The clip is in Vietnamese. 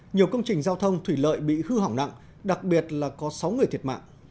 nhiều công trình giao thông thủy lợi bị hư hỏng nặng đặc biệt là có sáu người thiệt mạng